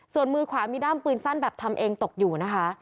ส่วนมือขวามีด้ามปืนสั้นแบบทำเองตกอยู่นะคะ